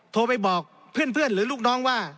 โทรไปบอกเพื่อนหรือลูกน้องว่า